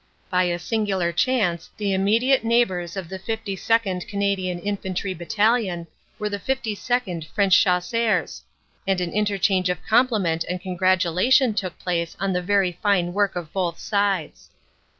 By a singular chance the immediate neighbors of the 52nd. Canadian Infantry Battalion were the 52nd. French Chasseurs, and an interchange of compliment and congratulation took place on the very fine work of both sides.